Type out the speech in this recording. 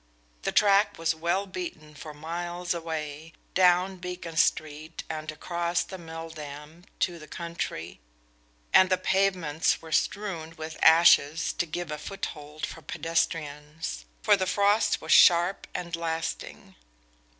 The track was well beaten for miles away, down Beacon Street and across the Milldam to the country, and the pavements were strewn with ashes to give a foothold for pedestrians. For the frost was sharp and lasting.